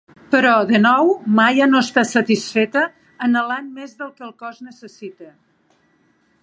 Però, de nou, Maya no està satisfeta, anhelant més del que el cos necessita.